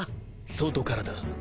外からだ。